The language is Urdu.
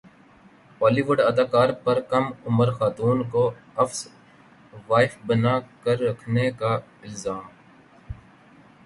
ہولی وڈ اداکار پر کم عمر خاتون کو افس وائفبنا کر رکھنے کا الزام